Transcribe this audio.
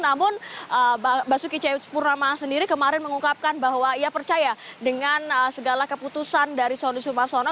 namun basuki cahayapurnama sendiri kemarin mengungkapkan bahwa ia percaya dengan segala keputusan dari sony sumarsono